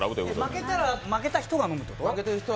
負けたら負けた人が飲むっていうこと？